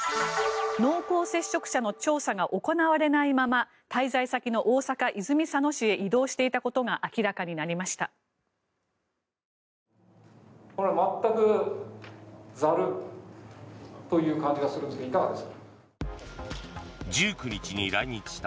濃厚接触者の調査が行われないまま滞在先の大阪・泉佐野市へ移動していたことが明らかになりました。